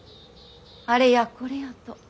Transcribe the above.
あれやこれやと。